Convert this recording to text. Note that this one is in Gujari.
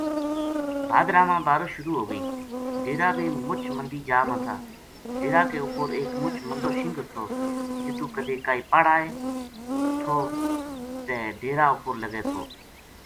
بھادرا ما بارش شروع ہو گئی ڈیرا بے مُچ مندی جا ما تھا ڈیرا کے اُپر ایک مُچ مندو شنگر تھو جِتو کدے کائی پڑ آئے تھو تے ڈیراں اپر لگے تھو۔